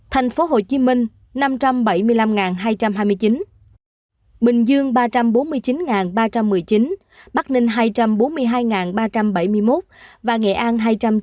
thành phố hồ chí minh năm trăm bảy mươi năm hai trăm hai mươi chín bình dương ba trăm bốn mươi chín ba trăm một mươi chín bắc ninh hai trăm bốn mươi hai ba trăm bảy mươi một và nghệ an hai trăm chín mươi chín